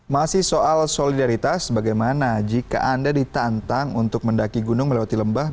masih soal solidaritas bagaimana jika anda ditantang untuk mendaki gunung melewati lembah